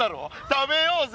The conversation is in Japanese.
食べようぜ！